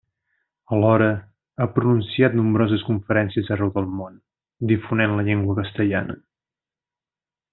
Alhora ha pronunciat nombroses conferències arreu del món, difonent la llengua castellana.